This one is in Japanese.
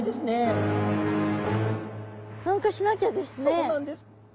そうなんです。